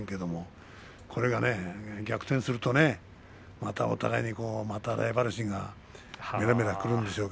これが逆転するとまたお互いにライバル心がめらめら、くると思いますよ。